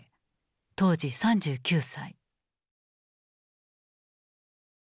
当時３９歳。